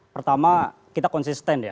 pertama kita konsisten ya